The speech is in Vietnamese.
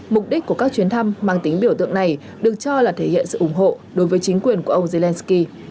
mục đích của các chuyến thăm mang tính biểu tượng này được cho là thể hiện sự ủng hộ đối với chính quyền của ông zelensky